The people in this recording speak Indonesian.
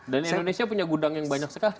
indonesia punya gudang yang banyak sekali